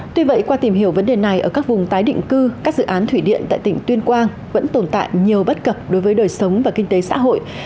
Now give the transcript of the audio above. tuy vậy qua tìm hiểu vấn đề này ở các vùng tái định cư các dự án thủy điện tại tỉnh tuyên quang vẫn tồn tại nhiều bất cập đối với đời sống và kinh tế xã hội